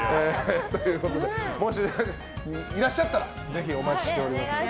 もしいらっしゃったらぜひお待ちしております。